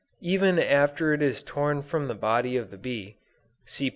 Even after it is torn from the body of the bee, (see p.